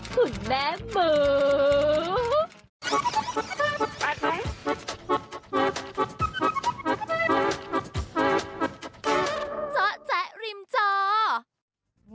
คุณแม่หมู